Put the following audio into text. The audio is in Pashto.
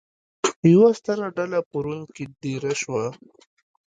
یوه ستره ډله په روم کې دېره شوه.